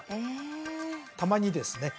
たまにですね